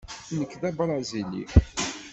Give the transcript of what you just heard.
Nekk d abṛazili.